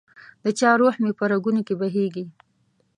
دچا روح مي په رګونو کي بهیږي